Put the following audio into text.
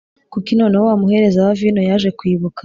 Kuki noneho wa muhereza wa vino yaje kwibuka